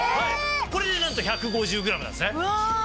これでなんと１５０ｇなんですね。